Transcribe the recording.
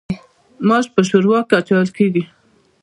ماش په ښوروا کې اچول کیږي.